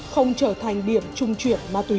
không trở thành điểm trung chuyển ma túy